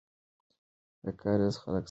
د کارېز خلک سره راپارېدل.